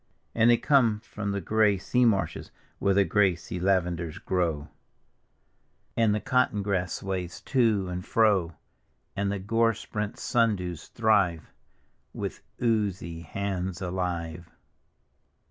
And diey come from the gray sea marshes, where the gray sea lavenders grow, And the cotton grass sways to and fro; And the gore sprent sundews thrive With oozy hands alive.